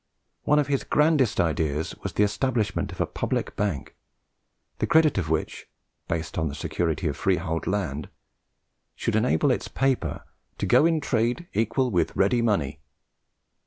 One of his grandest ideas was the establishment of a public bank, the credit of which, based upon the security of freehold land, should enable its paper "to go in trade equal with ready money."